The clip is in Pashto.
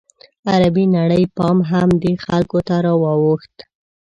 عربي نړۍ پام هم دې خلکو ته راواوښت.